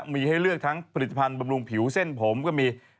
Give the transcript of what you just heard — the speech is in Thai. มีให้เลือกทั้งผลิตภัณฑ์บำรุงผิวเส้นผมก็มี